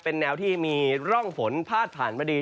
เป็นแนวที่มีร่องฝนพาดผ่านมาดี